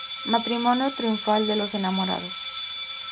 Matrimonio triunfal de los enamorados.